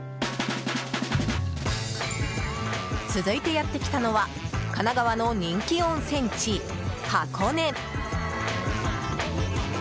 続いてやってきたのは神奈川の人気温泉地・箱根。